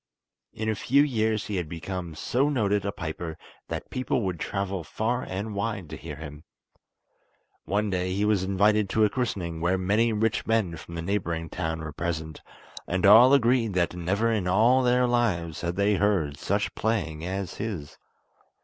In a few years he had become so noted a piper that people would travel far and wide to hear him. One day he was invited to a christening where many rich men from the neighbouring town were present, and all agreed that never in all their lives had they heard such playing as his.